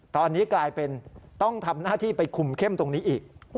ตอนนี้กลายเป็นต้องทำหน้าที่ไปคุมเข้มตรงนี้อีก